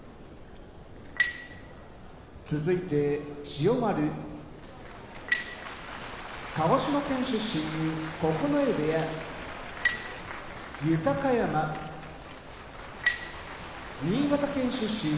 千代丸鹿児島県出身九重部屋豊山新潟県出身